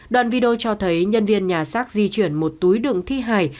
đoạn video cho thấy nhân viên nhà xác di chuyển một túi đựng thi hải